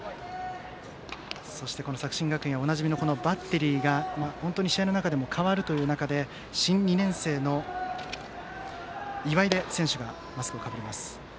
そして作新学院はおなじみの、バッテリーが試合の中でも代わるという中で新２年生の岩出選手がマスクをかぶります。